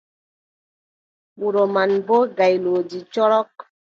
Wuro man, boo gaylooji corok.